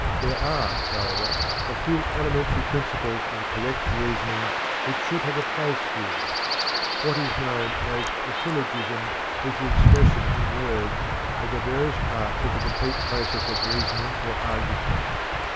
There are, however, a few elementary principles of correct reasoning which should have a place here. What is known as a "syllogism" is the expression in words of the various parts of the complete process of reasoning or argument.